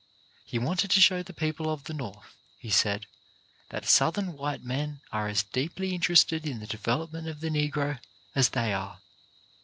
He wanted to show the people of the North, he said, that Southern white men are as deeply interested in the development of the Negro as they are.